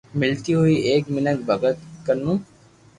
ملتي ھوئي ايڪ مينک ڀگت ڪنو